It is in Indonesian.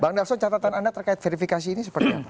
bang darson catatan anda terkait verifikasi ini seperti apa